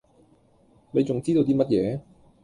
你仲知道啲乜野？